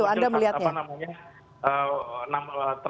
jadi ini semakin memanas begitu anda melihatnya